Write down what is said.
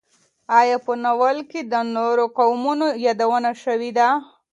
ایا په ناول کې د نورو قومونو یادونه شوې ده؟